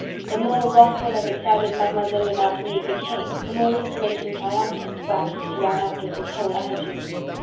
The more wrathful and excited Mademoiselle de Marny became the more insolent and triumphant waxed the young actress' whole attitude.